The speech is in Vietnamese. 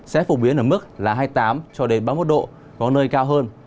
sẽ phục biến ở mức hai mươi tám cho đến ba mươi một độ có nơi cao hơn